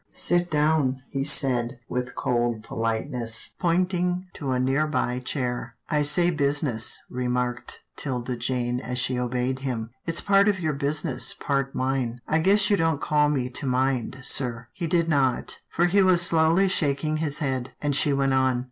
" Sit down," he said with cold politeness, point ing to a near by chair. I say business," remarked 'Tilda Jane as she obeyed him. " It's part your business, part mine — I guess you don't call me to mind, sir." He did not, for he was slowly shaking his head, and she went on.